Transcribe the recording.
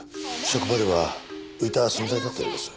職場では浮いた存在だったようです。